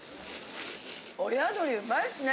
親鶏うまいっすね。